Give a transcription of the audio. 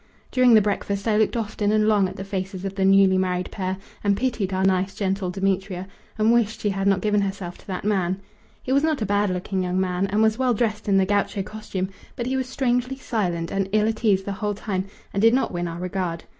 During the breakfast I looked often and long at the faces of the newly married pair, and pitied our nice gentle Demetria, and wished she had not given herself to that man. He was not a bad looking young man and was well dressed in the gaucho costume, but he was strangely silent and ill at ease the whole time and did not win our regard.